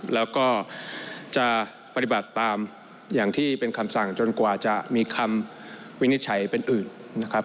แล้วก็จะปฏิบัติตามอย่างที่เป็นคำสั่งจนกว่าจะมีคำวินิจฉัยเป็นอื่นนะครับ